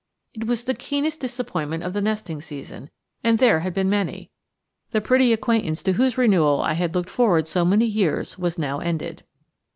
It was the keenest disappointment of the nesting season, and there had been many. The pretty acquaintance to whose renewal I had looked forward so many years was now ended.